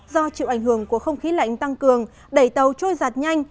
do chịu ảnh hưởng của không khí lạnh tăng cường đẩy tàu trôi giạt nhanh